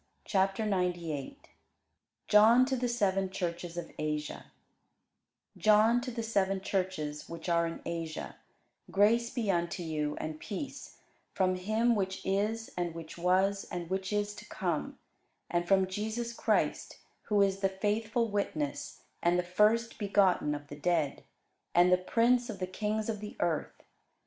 CHAPTER 98 JOHN TO THE SEVEN CHURCHES OF ASIA [Sidenote: Rev. 1] JOHN to the seven churches which are in Asia: Grace be unto you, and peace, from him which is, and which was, and which is to come; and from Jesus Christ, who is the faithful witness, and the first begotten of the dead, and the prince of the kings of the earth.